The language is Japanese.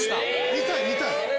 見たい見たい！